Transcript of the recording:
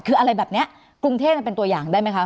คืออะไรแบบนี้กรุงเทพมันเป็นตัวอย่างได้ไหมคะ